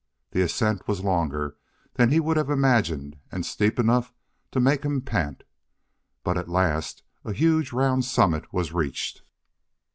The ascent was longer than he would have imagined, and steep enough to make him pant, but at last a huge round summit was reached.